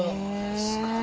すごい。